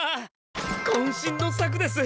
こん身の作です！